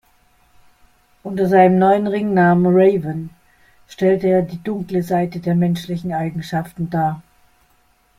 Unter seinem neuen Ringnamen Raven stellte er die dunkle Seite der menschlichen Eigenschaften dar.